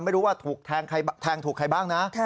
ไม่รู้ว่าถูกแทงใครบ้างแทงถูกใครบ้างนะ